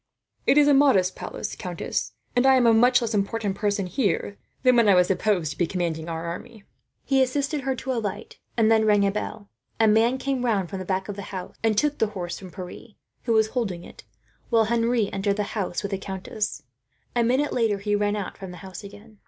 "It is a modest palace, countess; and I am a much less important person, here, than when I was supposed to be commanding our army." He assisted her to alight, and then rang a bell. A man came round from the back of the house, and took the horse from Pierre, who was holding it; while Henri entered the house with the countess. A minute later, he ran out from the house again.